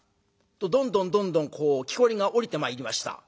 どんどんどんどんきこりが下りてまいりました。